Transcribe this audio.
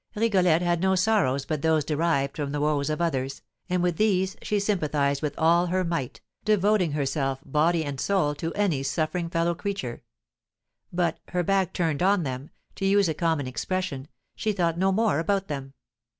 Rigolette had no sorrows but those derived from the woes of others, and with these she sympathised with all her might, devoting herself, body and soul, to any suffering fellow creature; but, her back turned on them, to use a common expression, she thought no more about them.